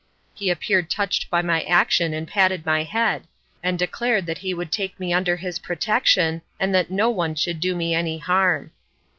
He appeared touched by my action and patted my head, and declared that he would take me under his protection, and that no one should do me any harm.